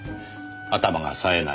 頭がさえない。